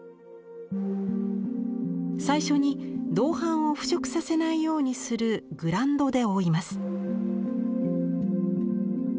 最初に銅版を腐食させないようにするグランドで覆います。